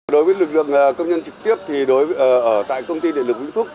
đối với lực lượng công nhân trực tiếp thì tại công ty điện lực nguyễn phúc